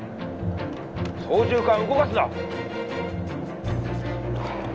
操縦かん動かすな！